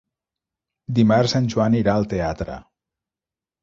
Dimarts en Joan irà al teatre.